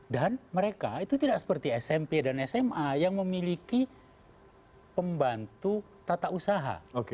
mereka itu tidak seperti smp dan sma yang memiliki pembantu tata usaha